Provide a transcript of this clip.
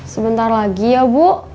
sebentar lagi ya bu